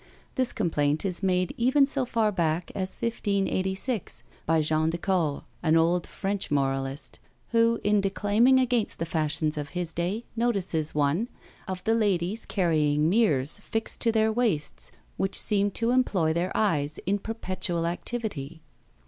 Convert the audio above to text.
This complaint is made even so far back as in 1586, by Jean des Caures, an old French moralist, who, in declaiming against the fashions of his day, notices one, of the ladies carrying mirrors fixed to their waists, which seemed to employ their eyes in perpetual activity.